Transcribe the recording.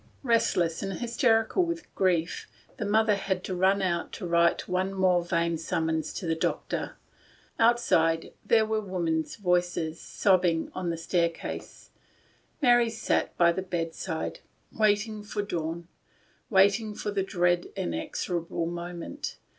Restless and hysterical with grief, the mother had run out to write one more vain summons for the doctor. Outside, there were women sobbing on the staircase. Mary sat by the bedside, waiting for the dawn, waiting for the dread inexorable moment.